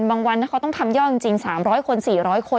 วันเขาต้องทำยอดจริง๓๐๐คน๔๐๐คน